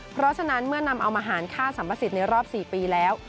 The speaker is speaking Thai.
เพราะฉะนั้นเมื่อนำเอามาหารค่าสัมภสิทธิ์ในรอบ๔ปีแล้ว